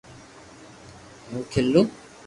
ھون کيلو